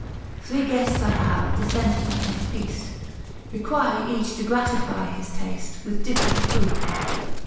Three guests I have, dissenting at my feast, Requiring each to gratify his taste With different food.